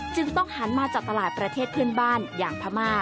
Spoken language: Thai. จึงต้องหันมาจากตลาดประเทศเพื่อนบ้านอย่างพม่า